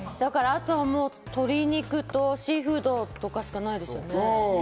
あと鶏肉とシーフードとかしかないですよね。